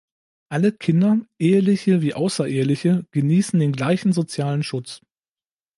Alle Kinder, eheliche wie außereheliche, genießen den gleichen sozialen Schutz.